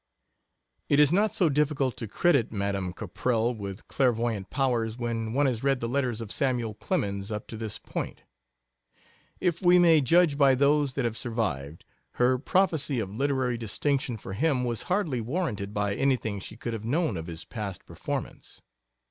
It is not so difficult to credit Madame Caprell with clairvoyant powers when one has read the letters of Samuel Clemens up to this point. If we may judge by those that have survived, her prophecy of literary distinction for him was hardly warranted by anything she could have known of his past performance.